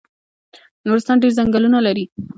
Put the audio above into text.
نورستان ډیر ځنګلونه لري